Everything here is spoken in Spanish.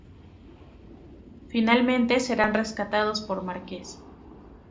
Finalmente serán rescatados por Marquez.